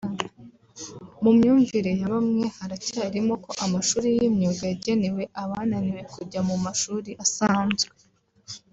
“mu myumvire ya bamwe haracyarimo ko amashuri y’imyuga yagenewe abananiwe kujya mu mashuri asanzwe